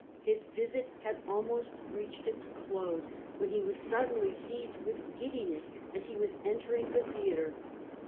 His visit had almost reached its close when he was suddenly seized with giddiness as he was entering the theatre.